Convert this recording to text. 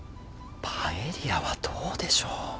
パエリアはどうでしょう。